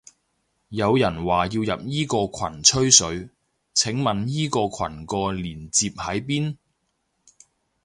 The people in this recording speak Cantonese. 有人話要入依個羣吹水，請問依個羣個鏈接喺邊？